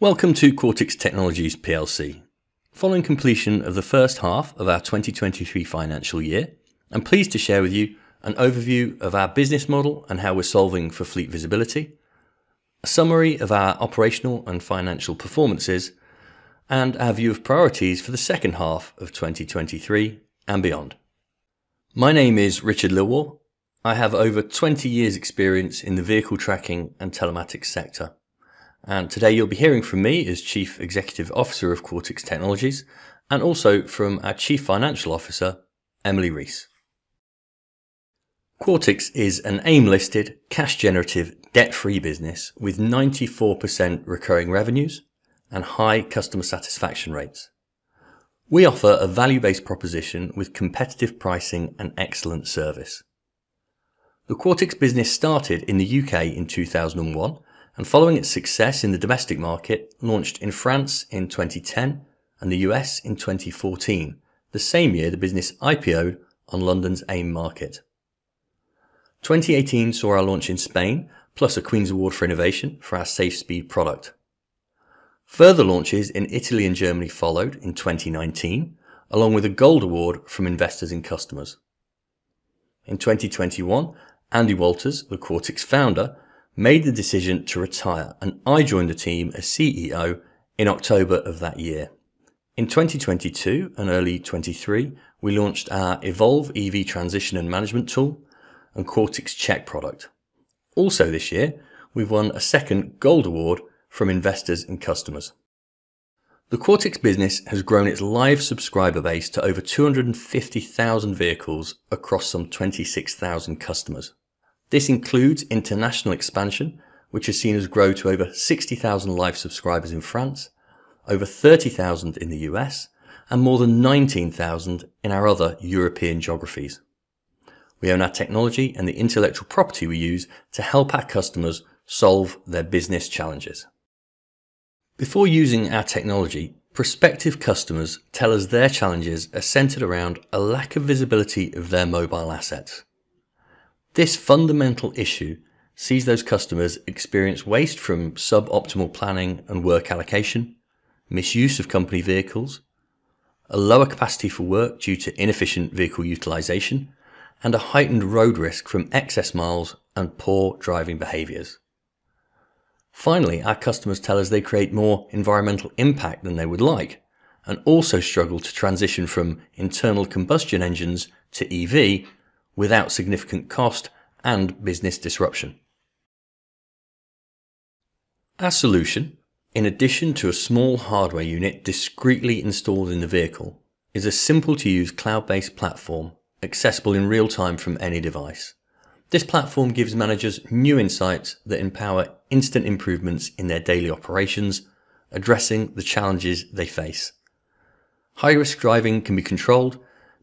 Welcome to Quartix Technologies plc. Following Completion of the First Half of our 2023 Financial Year, I'm pleased to share with you an overview of our business model and how we're solving for fleet visibility, a summary of our operational and financial performances, and our view of priorities for the second half of 2023 and beyond. My name is Richard Lilwall. I have over 20 years experience in the vehicle tracking and telematics sector, and today you'll be hearing from me as Chief Executive Officer of Quartix Technologies and also from our Chief Financial Officer, Emily Rees. Quartix is an AIM-listed, cash-generative, debt-free business with 94% recurring revenues and high customer satisfaction rates. We offer a value-based proposition with competitive pricing and excellent service. The Quartix business started in the U.K. in 2001. Following its success in the domestic market, launched in France in 2010 and the U.S. in 2014, the same year the business IPO'd on London's AIM market. 2018 saw our launch in Spain, plus a Queen's Award for Innovation for our SafeSpeed product. Further launches in Italy and Germany followed in 2019, along with a Gold Award from Investors in Customers. In 2021, Andy Walters, the Quartix founder, made the decision to retire, and I joined the team as CEO in October of that year. In 2022 and early 2023, we launched our EVolve EV transition and management tool and Quartix Check product. Also this year, we've won a second Gold Award from Investors in Customers. The Quartix business has grown its live subscriber base to over 250,000 vehicles across some 26,000 customers. This includes international expansion, which has seen us grow to over 60,000 live subscribers in France, over 30,000 in the U.S., and more than 19,000 in our other European geographies. We own our technology and the intellectual property we use to help our customers solve their business challenges. Before using our technology, prospective customers tell us their challenges are centered around a lack of visibility of their mobile assets. This fundamental issue sees those customers experience waste from sub-optimal planning and work allocation, misuse of company vehicles, a lower capacity for work due to inefficient vehicle utilization, and a heightened road risk from excess miles and poor driving behaviors. Finally, our customers tell us they create more environmental impact than they would like and also struggle to transition from internal combustion engines to EV without significant cost and business disruption. Our solution, in addition to a small hardware unit discreetly installed in the vehicle, is a simple-to-use cloud-based platform, accessible in real time from any device. This platform gives managers new insights that empower instant improvements in their daily operations, addressing the challenges they face. High-risk driving can be controlled,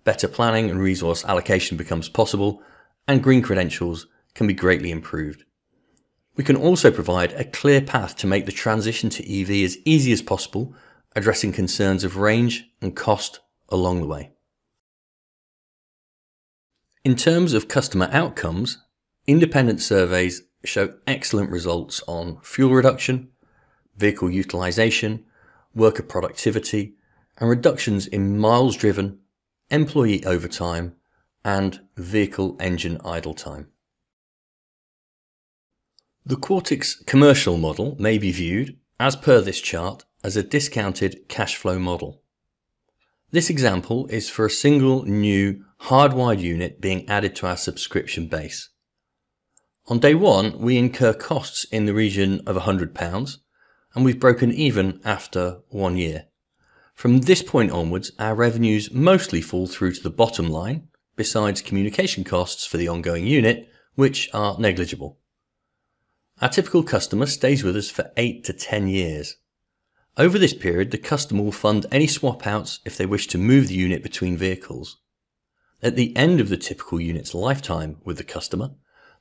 better planning and resource allocation becomes possible, and green credentials can be greatly improved. We can also provide a clear path to make the transition to EV as easy as possible, addressing concerns of range and cost along the way. In terms of customer outcomes, independent surveys show excellent results on fuel reduction, vehicle utilization, worker productivity, and reductions in miles driven, employee overtime, and vehicle engine idle time. The Quartix commercial model may be viewed, as per this chart, as a discounted cash flow model. This example is for a single new hardwired unit being added to our subscription base. On day one, we incur costs in the region of 100 pounds, and we've broken even after one year. From this point onwards, our revenues mostly fall through to the bottom line, besides communication costs for the ongoing unit, which are negligible. Our typical customer stays with us for 8 to 10 years. Over this period, the customer will fund any swap-outs if they wish to move the unit between vehicles. At the end of the typical unit's lifetime with the customer,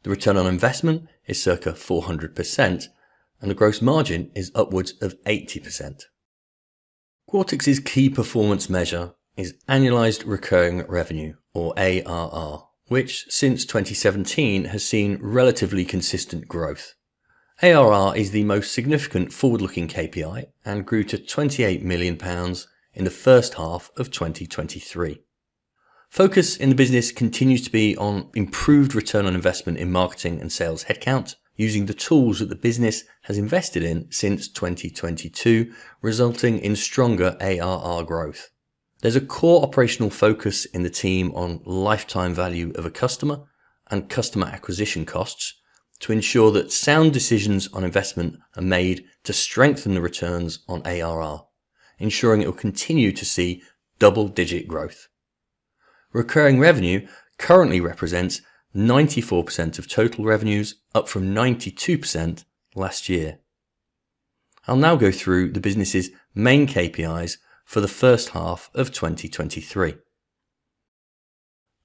the return on investment is circa 400%, and the gross margin is upwards of 80%. Quartix's key performance measure is Annual Recurring Revenue, or ARR, which, since 2017, has seen relatively consistent growth. ARR is the most significant forward-looking KPI and grew to 28 million pounds in the first half of 2023. Focus in the business continues to be on improved return on investment in marketing and sales headcount, using the tools that the business has invested in since 2022, resulting in stronger ARR growth. There's a core operational focus in the team on lifetime value of a customer and customer acquisition costs to ensure that sound decisions on investment are made to strengthen the returns on ARR, ensuring it will continue to see double-digit growth. Recurring revenue currently represents 94% of total revenues, up from 92% last year. I'll now go through the business's main KPIs for the first half of 2023.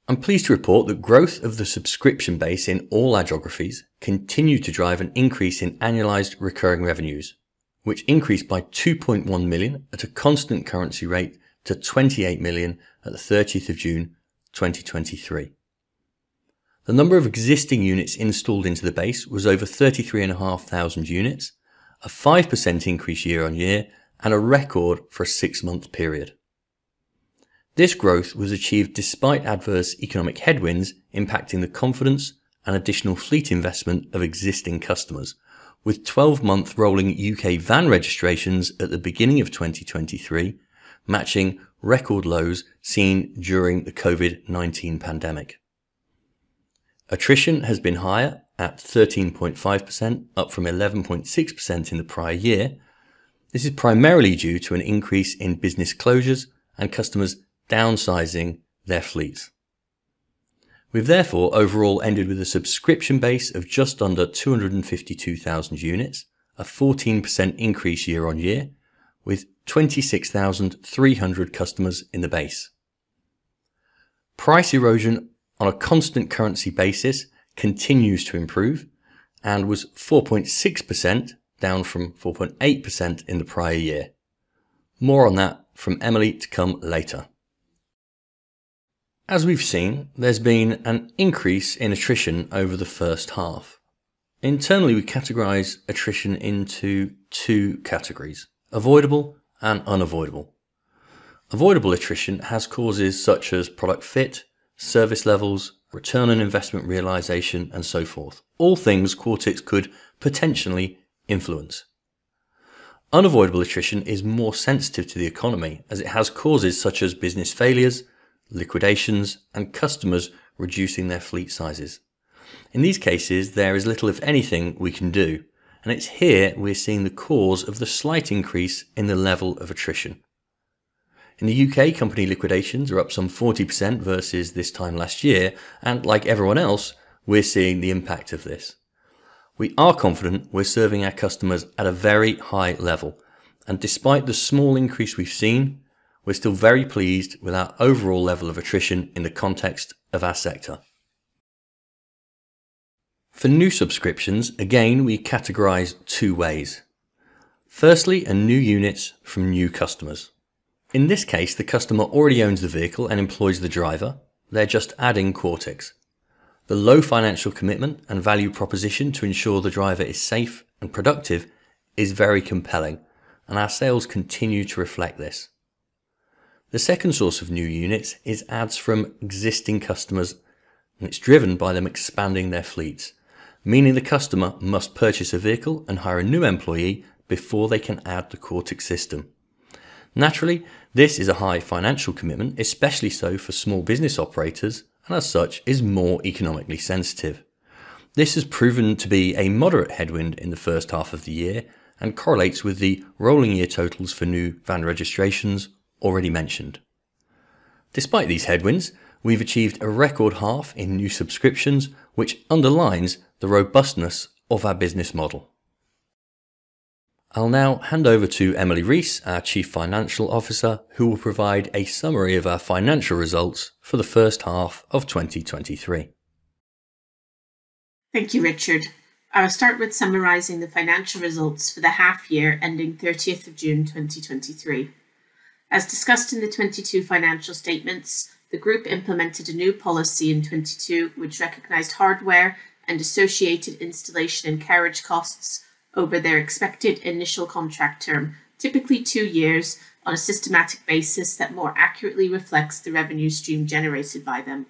I'm pleased to report that growth of the subscription base in all our geographies continued to drive an increase in Annualized Recurring Revenues, which increased by 2.1 million at a constant currency rate to 28 million at June 30, 2023. The number of existing units installed into the base was over 33,500 units, a 5% increase year-on-year, and a record for a six-month period. This growth was achieved despite adverse economic headwinds impacting the confidence and additional fleet investment of existing customers, with 12-month rolling U.K. van registrations at the beginning of 2023 matching record lows seen during the COVID-19 pandemic. Attrition has been higher, at 13.5%, up from 11.6% in the prior year. This is primarily due to an increase in business closures and customers downsizing their fleets. We've therefore overall ended with a subscription base of just under 252,000 units, a 14% increase year-over-year, with 26,300 customers in the base. Price erosion on a constant currency basis continues to improve and was 4.6%, down from 4.8% in the prior year. More on that from Emily to come later. As we've seen, there's been an increase in attrition over the first half. Internally, we categorize attrition into two categories: avoidable and unavoidable. Avoidable attrition has causes such as product fit, service levels, ROI realization, and so forth, all things Quartix could potentially influence. Unavoidable attrition is more sensitive to the economy, as it has causes such as business failures, liquidations, and customers reducing their fleet sizes. In these cases, there is little, if anything, we can do, and it's here we're seeing the cause of the slight increase in the level of attrition. In the UK, company liquidations are up some 40% versus this time last year, and like everyone else, we're seeing the impact of this. We are confident we're serving our customers at a very high level, and despite the small increase we've seen, we're still very pleased with our overall level of attrition in the context of our sector. For new subscriptions, again, we categorize two ways. Firstly are new units from new customers. In this case, the customer already owns the vehicle and employs the driver. They're just adding Quartix. The low financial commitment and value proposition to ensure the driver is safe and productive is very compelling, and our sales continue to reflect this. The second source of new units is adds from existing customers, and it's driven by them expanding their fleets, meaning the customer must purchase a vehicle and hire a new employee before they can add the Quartix system. Naturally, this is a high financial commitment, especially so for small business operators, and as such, is more economically sensitive. This has proven to be a moderate headwind in the first half of the year and correlates with the rolling year totals for new van registrations already mentioned. Despite these headwinds, we've achieved a record half in new subscriptions, which underlines the robustness of our business model. I'll now hand over to Emily Rees, our Chief Financial Officer, who will provide a summary of our financial results for the first half of 2023. Thank you, Richard. I'll start with summarizing the financial results for the half year ending 30th of June, 2023. As discussed in the 2022 financial statements, the group implemented a new policy in 2022, which recognized hardware and associated installation and carriage costs over their expected initial contract term, typically 2 years, on a systematic basis that more accurately reflects the revenue stream generated by them.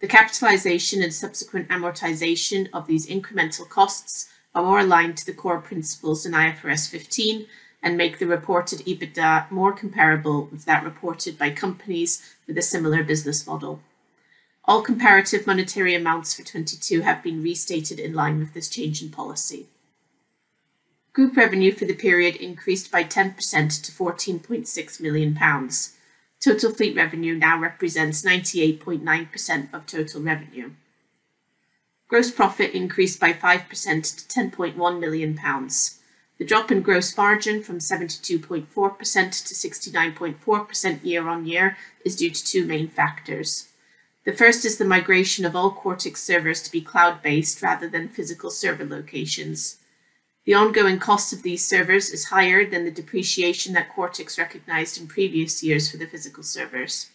The capitalization and subsequent amortization of these incremental costs are more aligned to the core principles in IFRS 15, and make the reported EBITDA more comparable with that reported by companies with a similar business model. All comparative monetary amounts for 2022 have been restated in line with this change in policy. Group revenue for the period increased by 10% to 14.6 million pounds. Total fleet revenue now represents 98.9% of total revenue. Gross profit increased by 5% to 10.1 million pounds. The drop in gross margin from 72.4% to 69.4% year on year is due to two main factors. The first is the migration of all Quartix servers to be cloud-based rather than physical server locations. The ongoing cost of these servers is higher than the depreciation that Quartix recognized in previous years for the physical servers.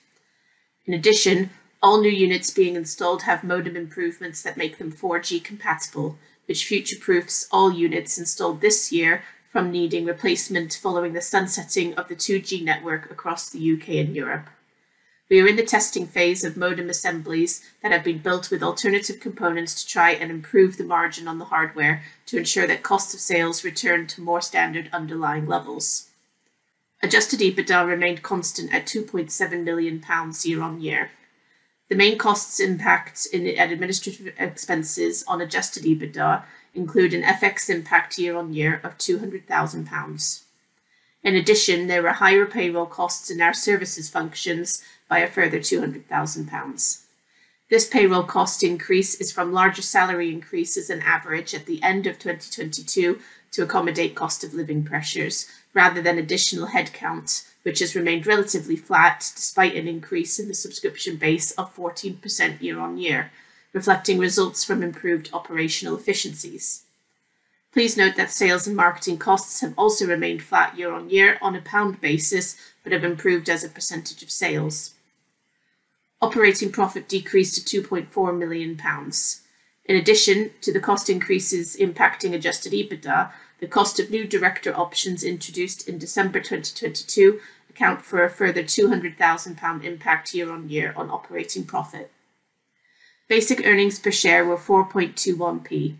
In addition, all new units being installed have modem improvements that make them 4G compatible, which future-proofs all units installed this year from needing replacement following the sunsetting of the 2G network across the U.K. and Europe. We are in the testing phase of modem assemblies that have been built with alternative components to try and improve the margin on the hardware to ensure that cost of sales return to more standard underlying levels. Adjusted EBITDA remained constant at 2.7 million pounds year-on-year. The main costs impact at administrative expenses on Adjusted EBITDA include an FX impact year-on-year of 200,000 pounds. There were higher payroll costs in our services functions by a further 200,000 pounds. This payroll cost increase is from larger salary increases in average at the end of 2022 to accommodate cost of living pressures, rather than additional headcount, which has remained relatively flat despite an increase in the subscription base of 14% year-on-year, reflecting results from improved operational efficiencies. Please note that sales and marketing costs have also remained flat year-on-year on a GBP basis, but have improved as a % of sales. Operating profit decreased to 2.4 million pounds. In addition to the cost increases impacting Adjusted EBITDA, the cost of new director options introduced in December 2022 account for a further 200,000 pound impact year-on-year on operating profit. Basic earnings per share were 0.0421.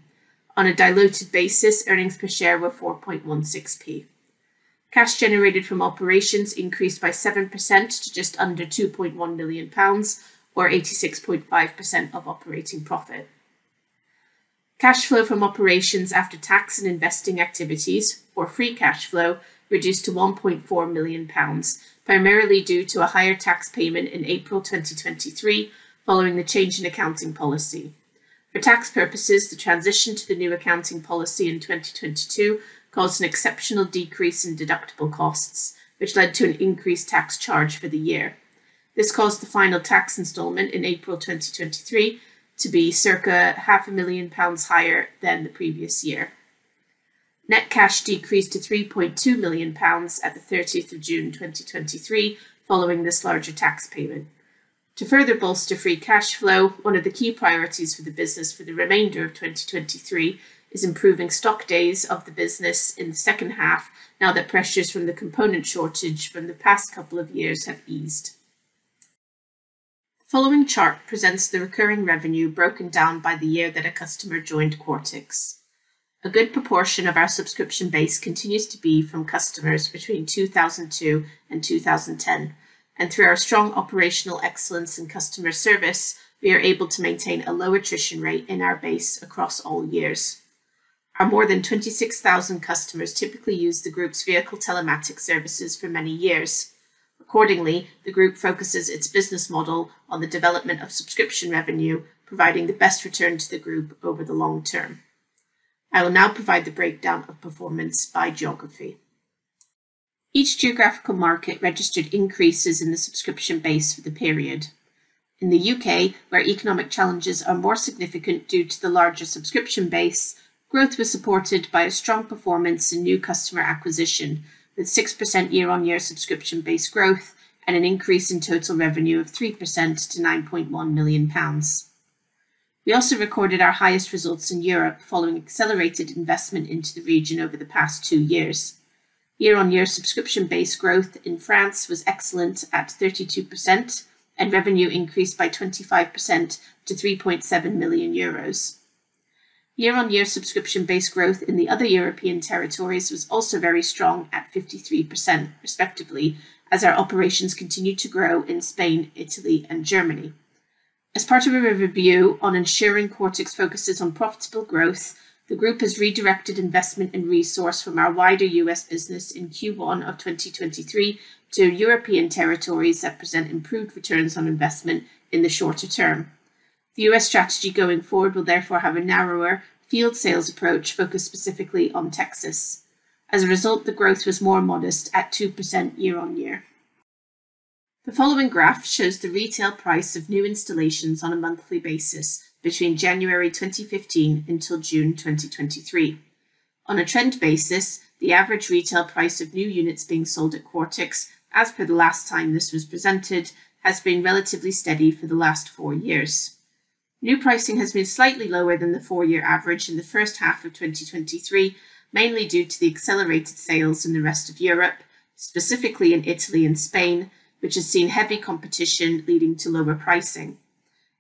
On a diluted basis, earnings per share were 0.0416. Cash generated from operations increased by 7% to just under 2.1 million pounds, or 86.5% of operating profit. Cash flow from operations after tax and investing activities, or free cash flow, reduced to 1.4 million pounds, primarily due to a higher tax payment in April 2023, following the change in accounting policy. For tax purposes, the transition to the new accounting policy in 2022 caused an exceptional decrease in deductible costs, which led to an increased tax charge for the year. This caused the final tax installment in April 2023 to be circa 500,000 pounds higher than the previous year. Net cash decreased to 3.2 million pounds at the 30th of June 2023, following this larger tax payment. To further bolster free cash flow, one of the key priorities for the business for the remainder of 2023 is improving stock days of the business in the second half, now that pressures from the component shortage from the past couple of years have eased. The following chart presents the recurring revenue broken down by the year that a customer joined Quartix. A good proportion of our subscription base continues to be from customers between 2002 and 2010, and through our strong operational excellence and customer service, we are able to maintain a low attrition rate in our base across all years. Our more than 26,000 customers typically use the group's vehicle telematic services for many years. Accordingly, the group focuses its business model on the development of subscription revenue, providing the best return to the group over the long term. I will now provide the breakdown of performance by geography. Each geographical market registered increases in the subscription base for the period. In the UK, where economic challenges are more significant due to the larger subscription base, growth was supported by a strong performance in new customer acquisition, with 6% year-on-year subscription base growth and an increase in total revenue of 3% to 9.1 million pounds. We also recorded our highest results in Europe following accelerated investment into the region over the past two years. Year-on-year subscription base growth in France was excellent at 32%, and revenue increased by 25% to 3.7 million euros. Year-on-year subscription base growth in the other European territories was also very strong at 53%, respectively, as our operations continued to grow in Spain, Italy, and Germany. As part of a review on ensuring Quartix focuses on profitable growth, the group has redirected investment and resource from our wider U.S. business in Q1 of 2023 to European territories that present improved returns on investment in the shorter term. The U.S. strategy going forward will therefore have a narrower field sales approach focused specifically on Texas. As a result, the growth was more modest at 2% year-on-year. The following graph shows the retail price of new installations on a monthly basis between January 2015 until June 2023. On a trend basis, the average retail price of new units being sold at Quartix, as per the last time this was presented, has been relatively steady for the last four years. New pricing has been slightly lower than the four-year average in the first half of 2023, mainly due to the accelerated sales in the rest of Europe, specifically in Italy and Spain, which has seen heavy competition leading to lower pricing.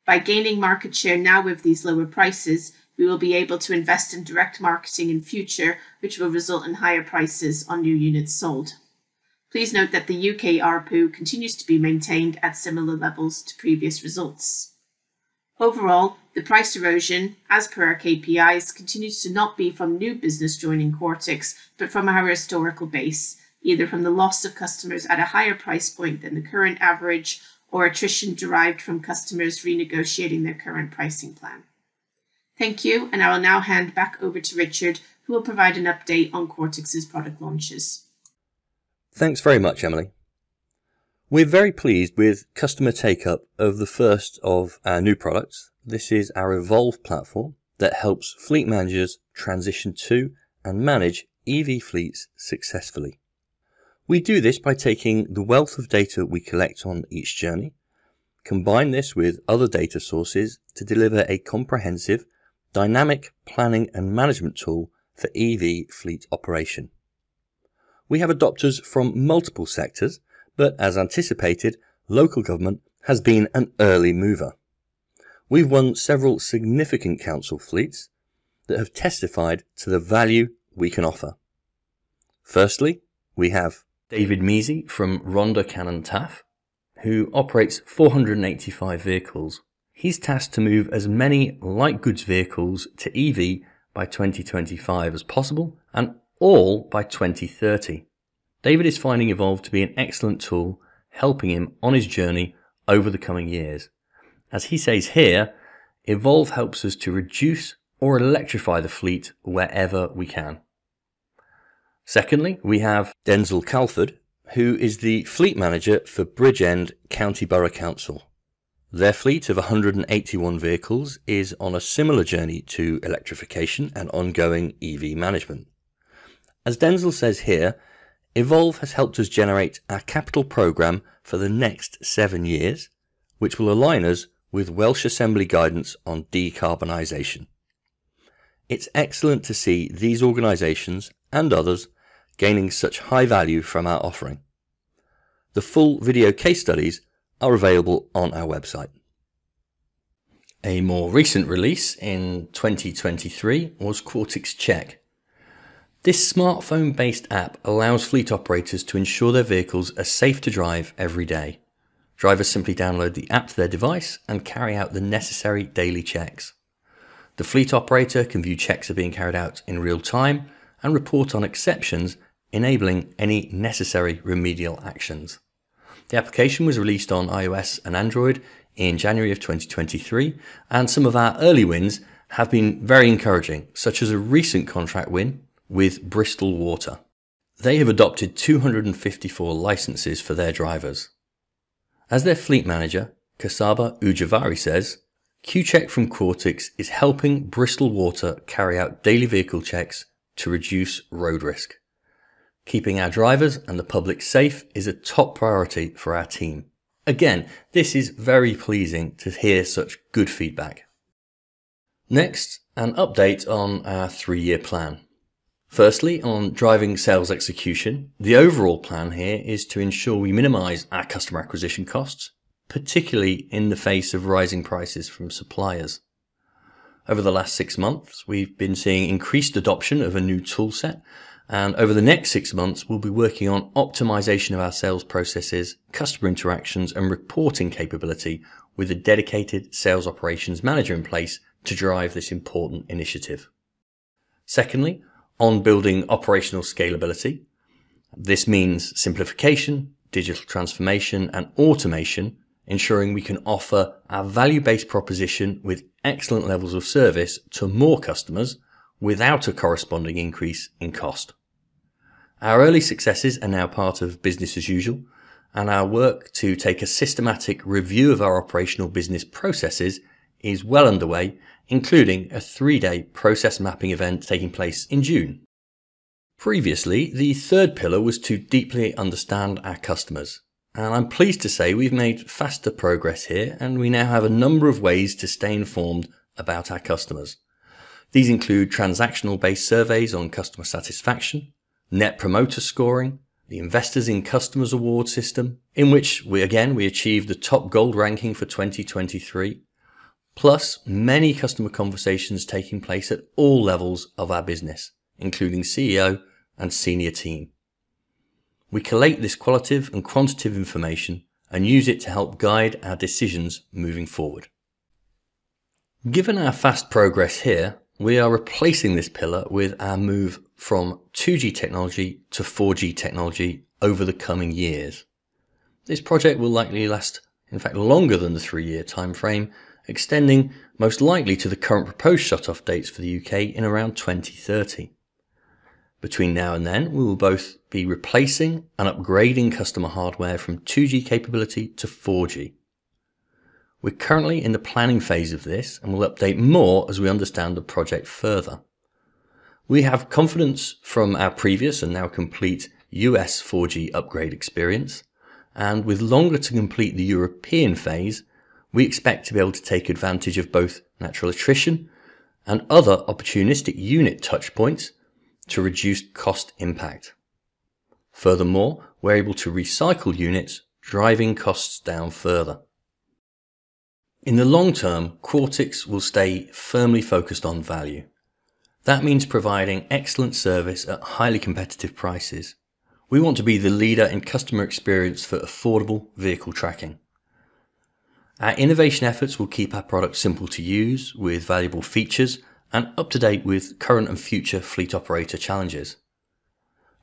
By gaining market share now with these lower prices, we will be able to invest in direct marketing in future, which will result in higher prices on new units sold. Please note that the U.K. ARPU continues to be maintained at similar levels to previous results. Overall, the price erosion, as per our KPIs, continues to not be from new business joining Quartix, but from our historical base, either from the loss of customers at a higher price point than the current average or attrition derived from customers renegotiating their current pricing plan. Thank you. I will now hand back over to Richard, who will provide an update on Quartix's product launches. Thanks very much, Emily. We're very pleased with customer take-up of the first of our new products. This is our EVolve platform that helps fleet managers transition to and manage EV fleets successfully. We do this by taking the wealth of data we collect on each journey, combine this with other data sources to deliver a comprehensive, dynamic planning and management tool for EV fleet operation. As anticipated, local government has been an early mover. We've won several significant council fleets that have testified to the value we can offer. Firstly, we have David Maisey from Rhondda Cynon Taf, who operates 485 vehicles. He's tasked to move as many light goods vehicles to EV by 2025 as possible, and all by 2030. David is finding EVolve to be an excellent tool, helping him on his journey over the coming years. As he says here, "EVolve helps us to reduce or electrify the fleet wherever we can." secondly, we have Denzil Calford, who is the fleet manager for Bridgend County Borough Council. Their fleet of 181 vehicles is on a similar journey to electrification and ongoing EV management. As Denzel says here, "EVolve has helped us generate our capital program for the next seven years, which will align us with Welsh Assembly guidance on decarbonization." It's excellent to see these organizations and others gaining such high value from our offering. The full video case studies are available on our website. A more recent release in 2023 was Quartix Check. This smartphone-based app allows fleet operators to ensure their vehicles are safe to drive every day. Drivers simply download the app to their device and carry out the necessary daily checks. The fleet operator can view checks are being carried out in real time and report on exceptions, enabling any necessary remedial actions. The application was released on iOS and Android in January of 2023, and some of our early wins have been very encouraging, such as a recent contract win with Bristol Water. They have adopted 254 licenses for their drivers. As their fleet manager, Csaba Ujvári says, "Q Check from Quartix is helping Bristol Water carry out daily vehicle checks to reduce road risk. Keeping our drivers and the public safe is a top priority for our team." Again, this is very pleasing to hear such good feedback. Next, an update on our three-year plan. Firstly, on driving sales execution, the overall plan here is to ensure we minimize our customer acquisition costs, particularly in the face of rising prices from suppliers. Over the last six months, we've been seeing increased adoption of a new toolset, and over the next six months, we'll be working on optimization of our sales processes, customer interactions, and reporting capability with a dedicated sales operations manager in place to drive this important initiative. Secondly, on building operational scalability, this means simplification, digital transformation, and automation, ensuring we can offer our value-based proposition with excellent levels of service to more customers without a corresponding increase in cost. Our early successes are now part of business as usual, and our work to take a systematic review of our operational business processes is well underway, including a three-day process mapping event taking place in June. Previously, the third pillar was to deeply understand our customers, and I'm pleased to say we've made faster progress here, and we now have a number of ways to stay informed about our customers. These include transactional-based surveys on customer satisfaction, Net Promoter Scoring, the Investors in Customers award system, in which we, again, we achieved the top Gold ranking for 2023, plus many customer conversations taking place at all levels of our business, including CEO and senior team. We collate this qualitative and quantitative information and use it to help guide our decisions moving forward. Given our fast progress here, we are replacing this pillar with our move from 2G technology to 4G technology over the coming years. This project will likely last, in fact, longer than the three-year timeframe, extending most likely to the current proposed shut-off dates for the UK in around 2030. Between now and then, we will both be replacing and upgrading customer hardware from 2G capability to 4G. We're currently in the planning phase of this, and we'll update more as we understand the project further. We have confidence from our previous and now complete U.S. 4G upgrade experience, and with longer to complete the European phase, we expect to be able to take advantage of both natural attrition and other opportunistic unit touchpoints to reduce cost impact. We're able to recycle units, driving costs down further. In the long term, Quartix will stay firmly focused on value. That means providing excellent service at highly competitive prices. We want to be the leader in customer experience for affordable vehicle tracking. Our innovation efforts will keep our product simple to use, with valuable features and up-to-date with current and future fleet operator challenges.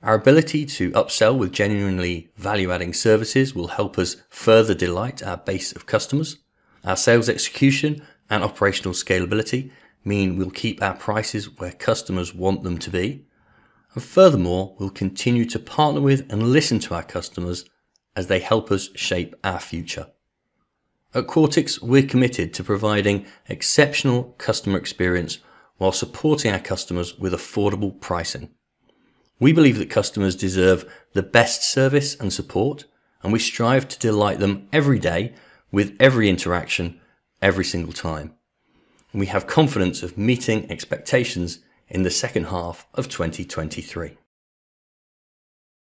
Our ability to upsell with genuinely value-adding services will help us further delight our base of customers. Our sales execution and operational scalability mean we'll keep our prices where customers want them to be. Furthermore, we'll continue to partner with and listen to our customers as they help us shape our future. At Quartix, we're committed to providing exceptional customer experience while supporting our customers with affordable pricing. We believe that customers deserve the best service and support, and we strive to delight them every day with every interaction, every single time. We have confidence of meeting expectations in the second half of 2023.